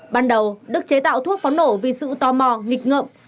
ban đầu đức chế tạo thuốc pháo nổ vì sự tò mò nghịch ngợm